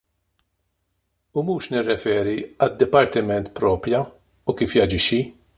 U mhux nirreferi għad-dipartiment proprja u kif jaġixxi.